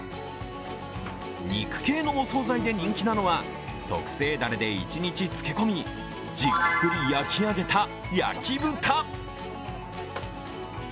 肉系のお総菜で人気なのは特製だれで一日漬け込みじっくり焼き上げた焼豚。